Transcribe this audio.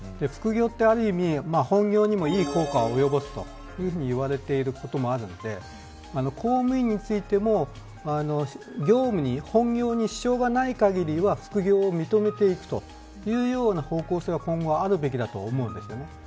副業ってある意味、本業にもいい効果を及ぼすといわれていることもあるので公務員についても業務に、本業に支障がない限りは副業を認めていくというような方向性があるべきだと思うんですよ。